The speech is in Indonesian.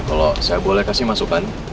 kalau saya boleh kasih masukan